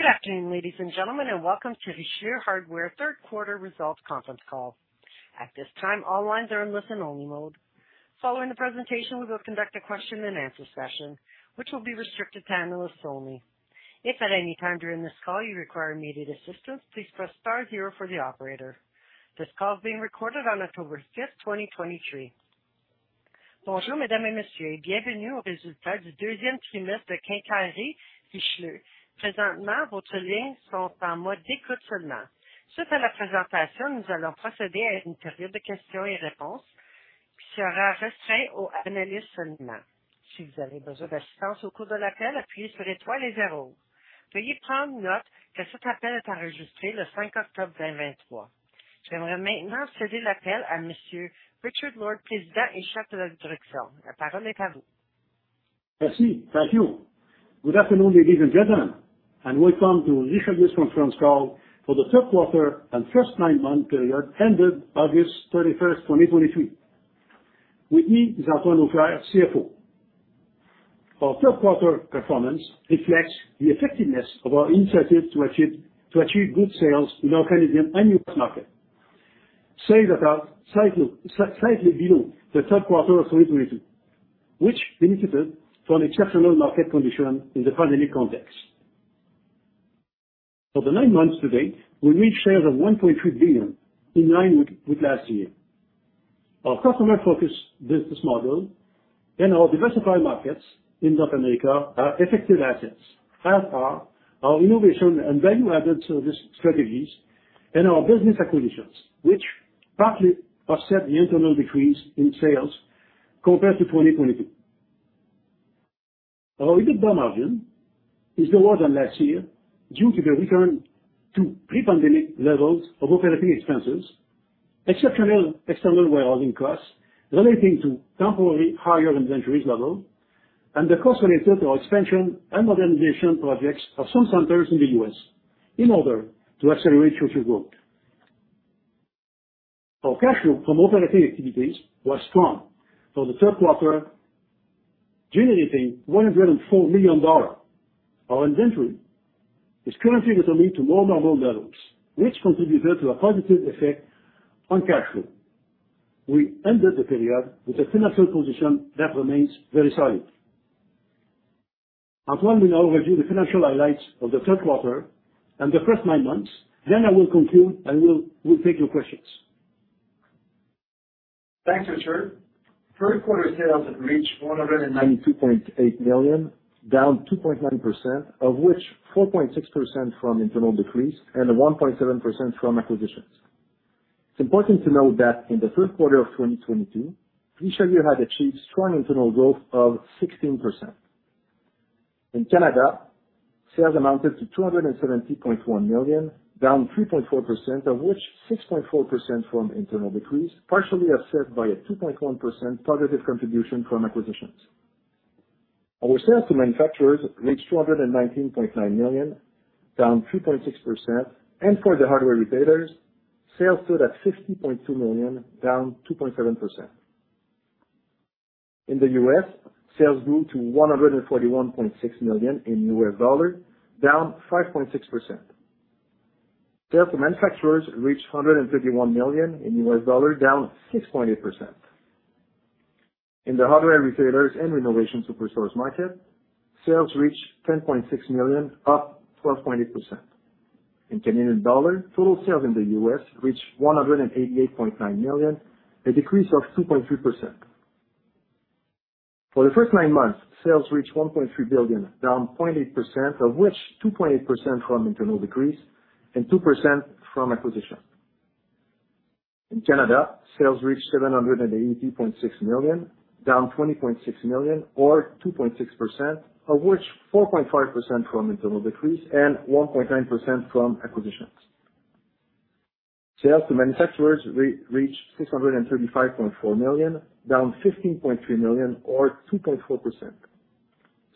Good afternoon, ladies and gentlemen, and welcome to the Richelieu Hardware Q3 results conference call. At this time, all lines are in listen-only mode. Following the presentation, we will conduct a question-and-answer session, which will be restricted to analysts only. If at any time during this call you require immediate assistance, please press star zero for the operator. This call is being recorded on October fifth, twenty twenty-three. Bonjour, mesdames et messieurs, et bienvenue aux résultats du deuxième trimestre de Richelieu. Présentement, vos lignes sont en mode écoute seulement. Suite à la présentation, nous allons procéder à une période de questions et réponses qui sera restreinte aux analystes seulement. Si vous avez besoin d'assistance au cours de l'appel, appuyez sur l'étoile et zéro. Veuillez prendre note que cet appel est enregistré le cinq octobre vingt-vingt-trois. J'aimerais maintenant céder l'appel à Monsieur Richard Lord, président et chef de la direction. La parole est à vous. Merci. Thank you. Good afternoon, ladies and gentlemen, and welcome to Richelieu's conference call for the Q3 and first nine-month period ended August thirty-first, 2023. With me is Antoine Auclair, CFO. Our Q3 performance reflects the effectiveness of our initiatives to achieve good sales in our Canadian and U.S. market. Sales are about slightly below the Q3 of 2022, which benefited from exceptional market conditions in the pandemic context. For the nine months to date, we reached sales of 1.3 billion, in line with last year. Our customer-focused business model and our diversified markets in North America are effective assets, as are our innovation and value-added service strategies and our business acquisitions, which partly offset the internal decrease in sales compared to 2022. Our EBITDA margin is lower than last year due to the return to pre-pandemic levels of operating expenses, exceptional external warehousing costs relating to temporarily higher inventories level, and the cost related to expansion and modernization projects of some centers in the U.S. in order to accelerate future growth. Our cash flow from operating activities was strong for the Q3, generating CAD 104 million. Our inventory is currently returning to normal levels, which contributed to a positive effect on cash flow. We ended the period with a financial position that remains very solid. Antoine will now review the financial highlights of the Q3 and the first nine months, then I will conclude and we'll take your questions. Thanks, Richard. Q3 sales have reached 192.8 million, down 2.9%, of which 4.6% from internal decrease and 1.7% from acquisitions. It's important to note that in the Q3 of 2022, Richelieu had achieved strong internal growth of 16%. In Canada, sales amounted to 270.1 million, down 3.4%, of which 6.4% from internal decrease, partially offset by a 2.1% positive contribution from acquisitions. Our sales to manufacturers reached 219.9 million, down 2.6%, and for the hardware retailers, sales stood at 50.2 million, down 2.7%. In the U.S., sales grew to $141.6 million in the U.S. dollar, down 5.6%. Sales to manufacturers reached $151 million, down 6.8%. In the hardware retailers and renovation superstore market, sales reached $10.6 million, up 4.8%. In Canadian dollars, total sales in the U.S. reached 188.9 million, a decrease of 2.3%. For the first nine months, sales reached 1.3 billion, down 0.8%, of which 2.8% from internal decrease and 2% from acquisition. In Canada, sales reached 780.6 million, down 20.6 million or 2.6%, of which 4.5% from internal decrease and 1.9% from acquisitions. Sales to manufacturers reached 635.4 million, down 15.3 million or 2.4%.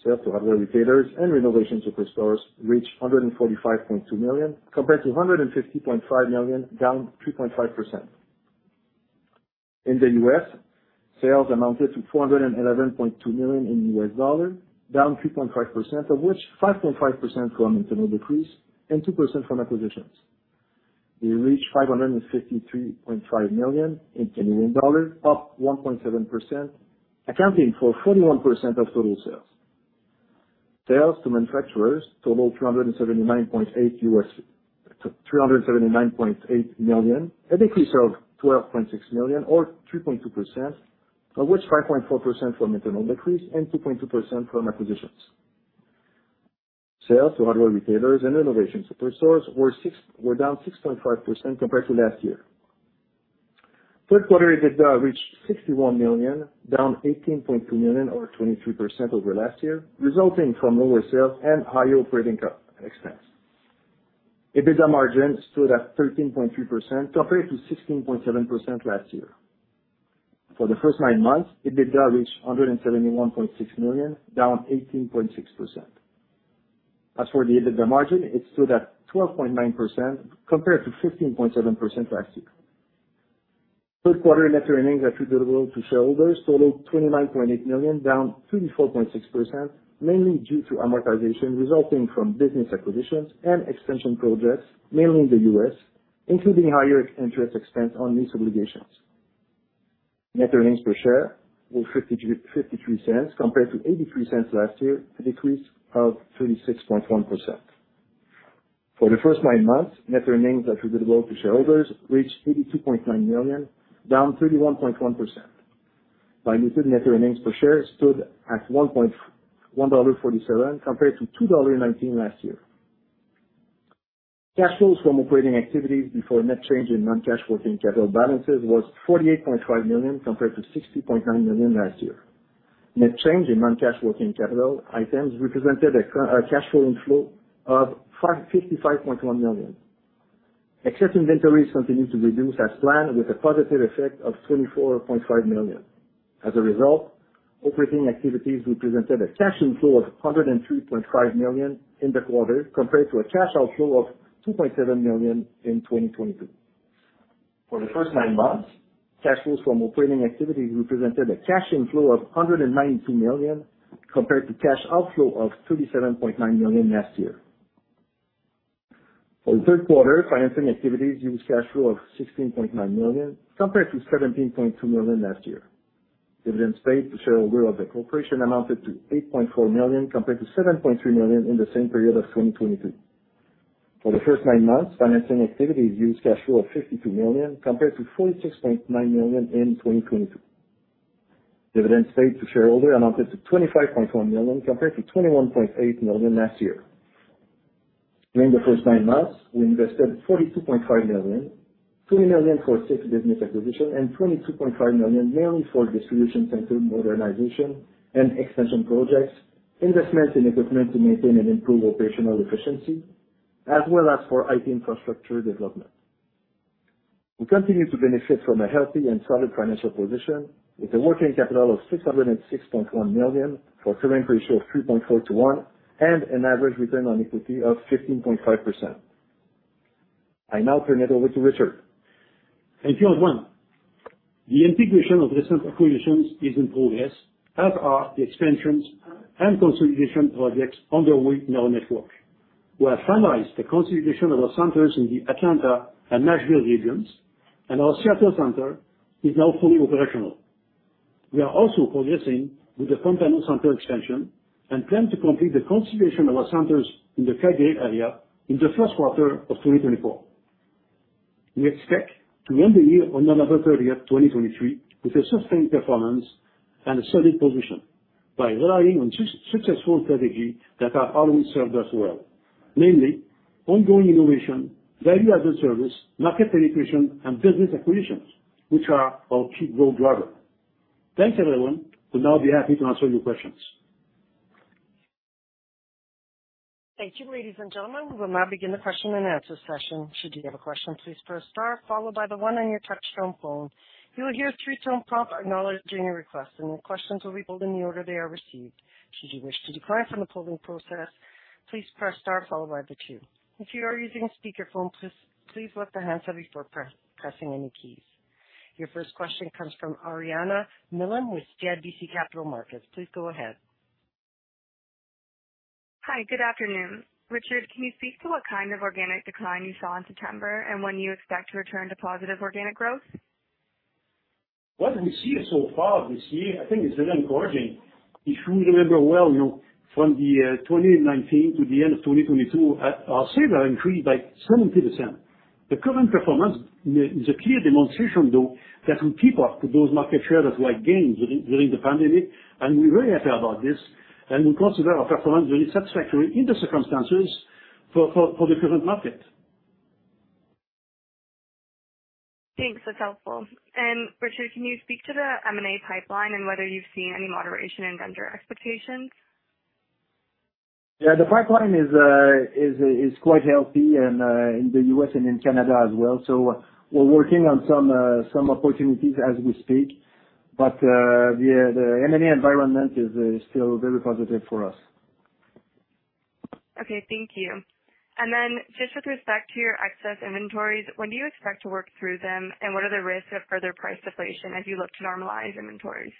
Sales to hardware retailers and renovation superstores reached 145.2 million, compared to 150.5 million, down 2.5%. In the U.S., sales amounted to $411.2 million in U.S. dollars, down 3.5%, of which 5.5% from internal decrease and 2% from acquisitions. We reached 553.5 million in Canadian dollars, up 1.7%, accounting for 41% of total sales. Sales to manufacturers totaled $379.8 million, a decrease of $12.6 million or 3.2%, of which 5.4% from internal decrease and 2.2% from acquisitions. Sales to hardware retailers and renovation superstores were six... were down 6.5% compared to last year. Q3 EBITDA reached 61 million, down 18.2 million or 23% over last year, resulting from lower sales and higher operating cost and expense. EBITDA margin stood at 13.3% compared to 16.7% last year. For the first nine months, EBITDA reached 171.6 million, down 18.6%. As for the EBITDA margin, it stood at 12.9% compared to 15.7% last year. Q3 net earnings attributable to shareholders totaled 29.8 million, down 34.6%, mainly due to amortization resulting from business acquisitions and extension projects, mainly in the U.S., including higher interest expense on lease obligations. Net earnings per share were 0.53 compared to 0.83 last year, a decrease of 36.1%. For the first nine months, net earnings attributable to shareholders reached 82.9 million, down 31.1%. Diluted net earnings per share stood at 1.47 dollar, compared to 2.19 dollar last year. Cash flows from operating activities before net change in non-cash working capital balances was 48.5 million, compared to 60.9 million last year. Net change in non-cash working capital items represented a cash flow inflow of 55.1 million. Excess inventories continued to reduce as planned, with a positive effect of 24.5 million. As a result, operating activities represented a cash inflow of 103.5 million in the quarter, compared to a cash outflow of 2.7 million in 2022. For the first nine months, cash flows from operating activities represented a cash inflow of 192 million, compared to cash outflow of 37.9 million last year. For the Q3, financing activities used cash flow of 16.9 million, compared to 17.2 million last year. Dividends paid to shareholders of the corporation amounted to 8.4 million, compared to 7.3 million in the same period of 2022. For the first nine months, financing activities used cash flow of 52 million, compared to 46.9 million in 2022. Dividends paid to shareholder amounted to 25.1 million, compared to 21.8 million last year. During the first nine months, we invested 42.5 million, 20 million for six business acquisitions, and 22.5 million, mainly for distribution center modernization and extension projects, investments in equipment to maintain and improve operational efficiency, as well as for IT infrastructure development. We continue to benefit from a healthy and solid financial position with a working capital of 606.1 million, for a current ratio of 3.4 to 1, and an average return on equity of 15.5%. I now turn it over to Richard. Thank you, everyone. The integration of recent acquisitions is in progress, as are the expansions and consolidation projects underway in our network. We have finalized the consolidation of our centers in the Atlanta and Nashville regions, and our Seattle center is now fully operational. We are also progressing with the Continental center expansion and plan to complete the consolidation of our centers in the Bay Area in the Q1 of 2024. We expect to end the year on November 30, 2023, with a sustained performance and a solid position by relying on successful strategy that have always served us well, mainly ongoing innovation, value-added service, market penetration, and business acquisitions, which are our key growth driver. Thanks, everyone. We'll now be happy to answer your questions. Thank you, ladies and gentlemen. We will now begin the question and answer session. Should you have a question, please press star followed by the one on your touchtone phone. You will hear a three-tone prompt acknowledging your request, and your questions will be pulled in the order they are received. Should you wish to decline from the polling process, please press star followed by the two. If you are using a speakerphone, please, please lift the handset before pressing any keys. Your first question comes from Ariana Milin with CIBC Capital Markets. Please go ahead. Hi, good afternoon. Richard, can you speak to what kind of organic decline you saw in September and when you expect to return to positive organic growth? What we see so far this year, I think it's very encouraging. If we remember well, you know, from the 2019 to the end of 2022, our sales have increased by 70%. The current performance is a clear demonstration, though, that we keep up to those market shares that we had gained during the pandemic, and we're very happy about this, and we consider our performance very satisfactory in the circumstances for the current market. Thanks. That's helpful. Richard, can you speak to the M&A pipeline and whether you've seen any moderation in vendor expectations? Yeah, the pipeline is quite healthy and in the U.S. and in Canada as well. So we're working on some opportunities as we speak. But the M&A environment is still very positive for us. Okay, thank you. And then just with respect to your excess inventories, when do you expect to work through them? And what are the risks of further price deflation as you look to normalize inventories?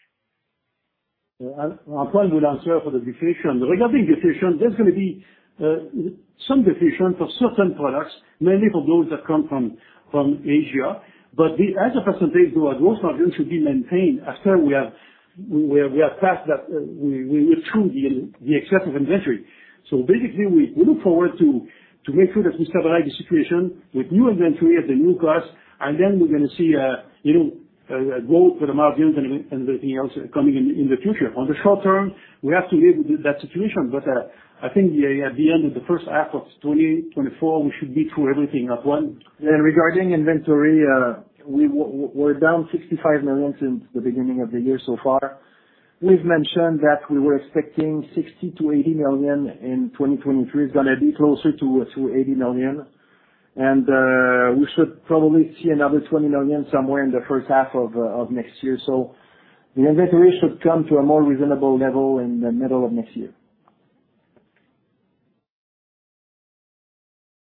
Yeah, I'm trying to answer for the deflation. Regarding deflation, there's gonna be some deflation for certain products, mainly for those that come from Asia. As a percentage, though, our gross margins should be maintained after we have... We are past that, we went through the excess of inventory. Basically, we look forward to make sure that we stabilize the situation with new inventory at the new cost, and then we're gonna see a growth for the margins and everything else coming in the future. In the short term, we have to live with that situation, but I think at the end of the first half of 2024, we should be through everything at one. Regarding inventory, we were down 65 million since the beginning of the year so far. We've mentioned that we were expecting 60 million-80 million in 2023. It's gonna be closer to 80 million, and we should probably see another 20 million somewhere in the first half of next year. So the inventory should come to a more reasonable level in the middle of next year.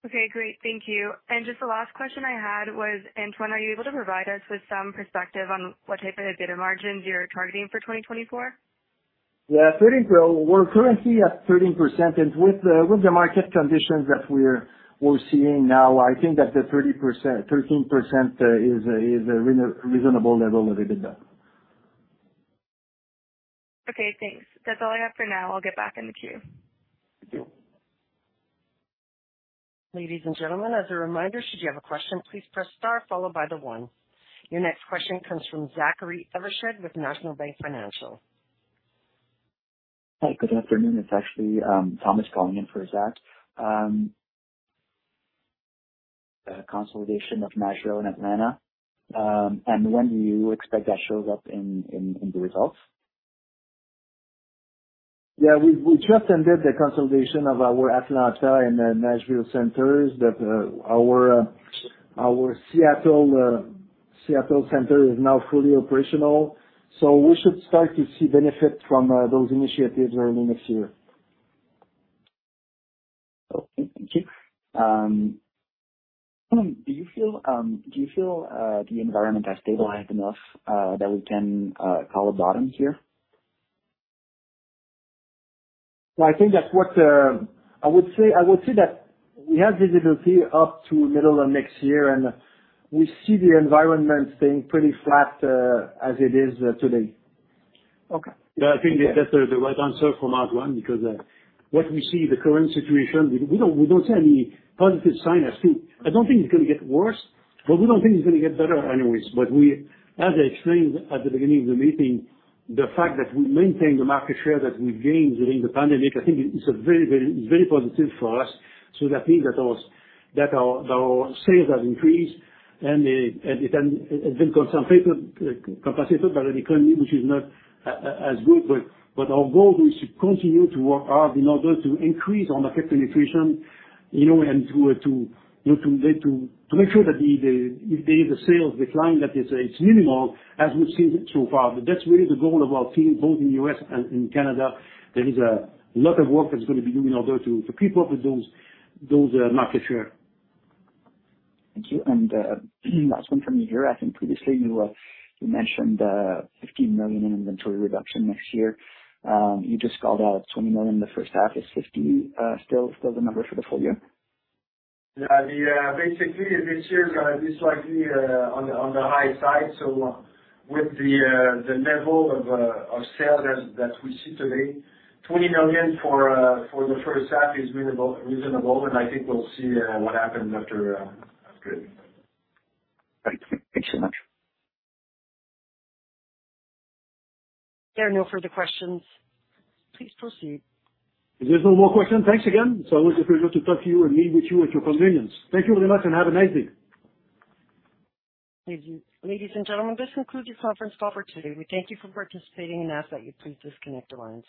Okay, great. Thank you. Just the last question I had was, Antoine, are you able to provide us with some perspective on what type of EBITDA margins you're targeting for 2024? Yeah, 13%. We're currently at 13%, and with the market conditions that we're seeing now, I think that the 30%, 13%, is a reasonable level of EBITDA. Okay, thanks. That's all I have for now. I'll get back in the queue. Thank you. Ladies and gentlemen, as a reminder, should you have a question, please press star followed by the one. Your next question comes from Zachary Evershed with National Bank Financial. Hi, good afternoon. It's actually Thomas calling in for Zach. Consolidation of Nashville and Atlanta, and when do you expect that shows up in the results? Yeah, we just ended the consolidation of our Atlanta and the Nashville centers. That our Seattle center is now fully operational. So we should start to see benefit from those initiatives early next year. Okay, thank you. Do you feel the environment has stabilized enough that we can call a bottom here? Well, I think that's what I would say, I would say that we have visibility up to middle of next year, and we see the environment staying pretty flat, as it is today. Okay. Yeah, I think that's the, the right answer from Antoine, because what we see the current situation, we don't, we don't see any positive sign as to-- I don't think it's gonna get worse, but we don't think it's gonna get better anyways. But we, as I explained at the beginning of the meeting, the fact that we maintain the market share that we gained during the pandemic, I think it's a very, very, very positive for us. So I think that our, that our, our sales have increased and, and it can have been compensated, compensated by the economy, which is not a, a, as good. But our goal is to continue to work hard in order to increase on the market penetration, you know, and to make sure that the sales decline, that it's minimal, as we've seen so far. But that's really the goal of our team, both in U.S. and in Canada. There is a lot of work that's going to be doing in order to keep up with those market share. Thank you. Last one from me here. I think previously you mentioned 15 million in inventory reduction next year. You just called out 20 million in the first half. Is 50 million still the number for the full year? Yeah, the... Basically, this year is gonna be slightly on the, on the high side. So with the, the level of, of sales that, that we see today, 20 million for, for the first half is reasonable, reasonable, and I think we'll see, what happens after, after it. Great. Thank you so much. There are no further questions. Please proceed. If there's no more questions, thanks again. It's always a pleasure to talk to you and meet with you at your convenience. Thank you very much, and have a nice day. Thank you. Ladies and gentlemen, this concludes your conference call for today. We thank you for participating and ask that you please disconnect the lines.